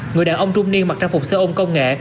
người đàn ông trung niên mặc trang phục xe ôn công nghệ